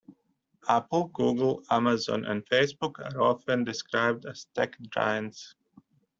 Apple, Google, Amazon and Facebook are often described as tech giants.